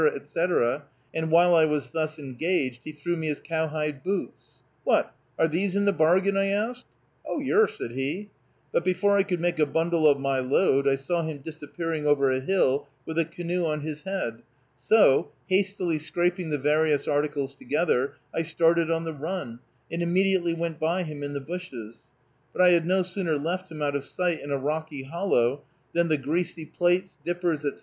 etc., and while I was thus engaged he threw me his cowhide boots. "What, are these in the bargain?" I asked. "Oh, yer," said he; but before I could make a bundle of my load I saw him disappearing over a hill with the canoe on his head; so, hastily scraping the various articles together, I started on the run, and immediately went by him in the bushes, but I had no sooner left him out of sight in a rocky hollow than the greasy plates, dippers, etc.